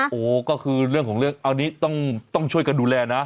โอ้โหก็คือเรื่องของเรื่องอันนี้ต้องช่วยกันดูแลนะ